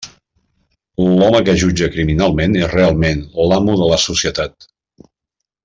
L'home que jutja criminalment és realment l'amo de la societat.